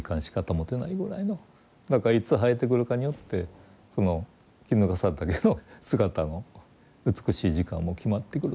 だからいつ生えてくるかによってそのキヌガサダケの姿の美しい時間も決まってくるという。